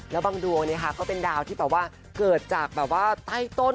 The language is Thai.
และบางดวงคือก็เป็นดาวที่เกิดจากใต้ต้น